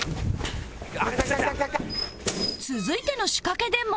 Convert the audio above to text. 続いての仕掛けでも